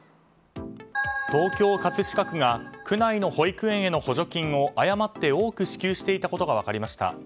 東京・葛飾区が区内の保育園への補助金を誤って多く支給していたことが分かりました。